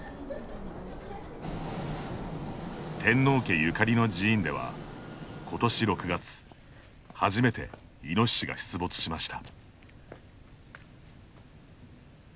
天皇家ゆかりの寺院では今年６月初めてイノシシが出没しました。